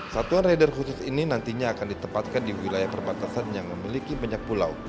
satuan rider khusus ini nantinya akan ditempatkan di wilayah perbatasan yang memiliki banyak pulau